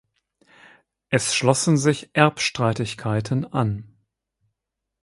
Es schlossen sich Erbstreitigkeiten an.